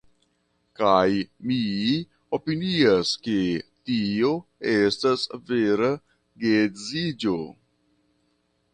Kaj mi opinias ke tio estas vera geedziĝo.